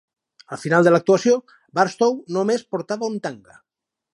Al final de l'actuació, Barstow només portava un tanga.